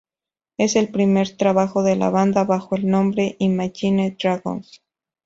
Es el primer trabajo de la banda bajo el nombre "Imagine Dragons".